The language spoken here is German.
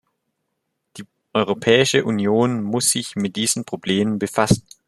Die Europäische Union muss sich mit diesem Problem befassen.